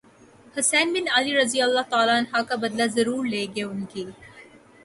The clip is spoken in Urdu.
حسین بن علی رض کا بدلہ ضرور لیں گے انکی